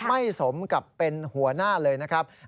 สมกับเป็นหัวหน้าเลยนะครับ